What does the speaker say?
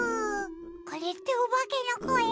これっておばけのこえ？